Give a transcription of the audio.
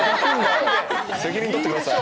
責任取ってください。